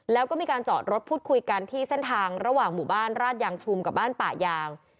แล้วก็มีการจอดรถพูดคุยกันที่เส้นทางระหว่างหมู่บ้านราชยางชุมกับบ้านป่ายาง